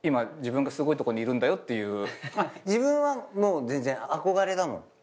自分はもう全然憧れだもん。